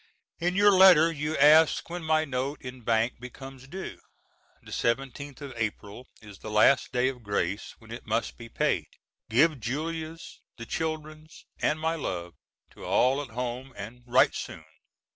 In your letter you ask when my note in bank becomes due. The seventeenth of Apl. is the last day of grace when it must be paid. Give Julia's, the children's, and my love to all at home and write soon.